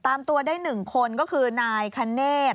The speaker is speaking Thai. ตามตัวได้๑คนก็คือนายคเนธ